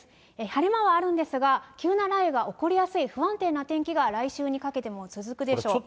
晴れ間はあるんですが、急な雷雨が起こりやすい、不安定な天気が来週にかけても続くでしょう。